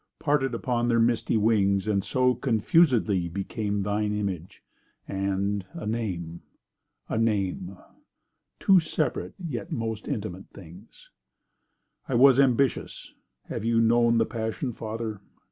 Parted upon their misty wings, And, so, confusedly, became Thine image, and—a name—a name! Two separate—yet most intimate things. I was ambitious—have you known The passion, father?